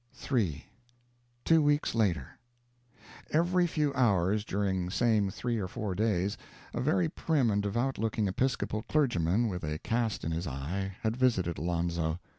III Two weeks later. Every few hours, during same three or four days, a very prim and devout looking Episcopal clergyman, with a cast in his eye, had visited Alonzo.